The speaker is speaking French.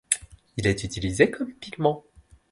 Il est utilisé comme pigment.